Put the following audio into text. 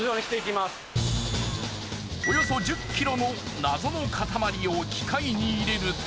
およそ１０ｋｇの謎の塊を機械に入れると。